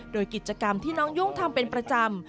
โดยกิจกรรมที่น้องยุ่งทำเป็นประจำ